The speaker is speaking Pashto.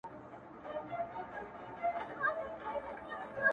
ماچي سکروټي په غاښو چیچلې،